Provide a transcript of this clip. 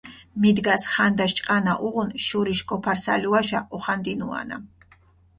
მიდგას ხანდაშ ჭყანა უღუნ, შურიშ გოფარსალუაშა ოხანდინუანა.